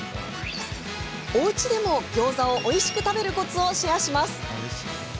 おうちでもギョーザをおいしく食べるコツをシェアします。